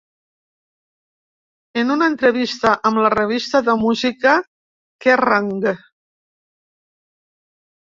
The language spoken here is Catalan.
En una entrevista amb la revista de música Kerrang!